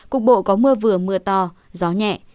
cục bộ có mưa vừa mưa to gió nhẹ